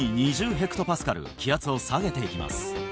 ヘクトパスカル気圧を下げていきます